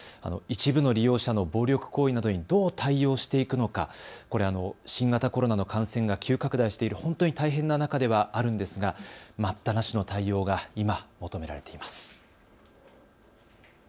一部の利用者の暴力行為などにどう対応していくのか、これ、新型コロナの感染が急拡大している本当に大変な中ではあるんですが待ったなしの対応が今、求められています。